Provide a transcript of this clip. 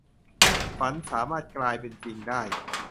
ฝันสามารถกลายเป็นจริงได้